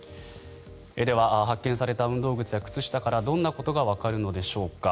では発見された運動靴や靴下からどんなことがわかるのでしょうか。